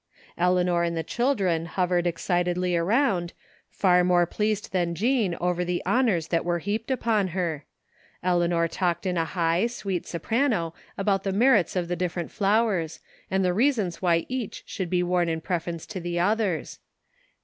Eleanor and the children hovered excitedly around, far more pleased than Jean over the honors that were heaped upon her. Eleanor talked in a high, sweet soprano about the merits of the different flowers, and the reasons why each should be worn in preference to the others.